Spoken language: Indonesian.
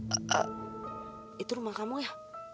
itu rumah kamu ya